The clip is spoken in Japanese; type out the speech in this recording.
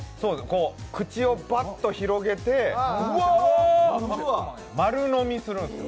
口をバッと広げて丸飲みするんです。